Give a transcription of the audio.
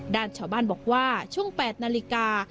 ด้านชาวบ้านบอกว่าช่วง๘นาฬิกา